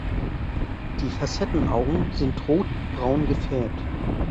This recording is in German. Die Facettenaugen sind rotbraun gefärbt.